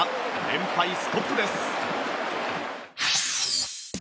連敗ストップです。